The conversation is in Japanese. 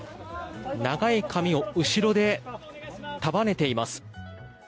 長い髪を後ろで束ねています。